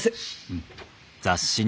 うん。